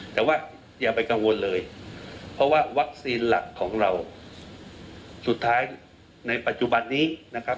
แต่ว่าอย่าไปกังวลเลยเพราะว่าวัคซีนหลักของเราสุดท้ายในปัจจุบันนี้นะครับ